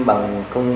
các công nhân